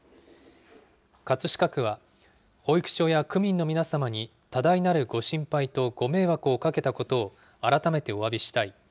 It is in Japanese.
葛飾区は保育所や区民の皆様に、多大なるご心配とご迷惑をかけたことを改めておわびしたい。